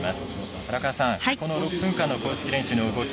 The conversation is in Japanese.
荒川さん、６分間の公式練習の動き